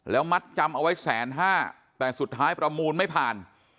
แล้วมัดจำเอาไว้แสนห้าแต่สุดท้ายประมูลไม่ผ่าน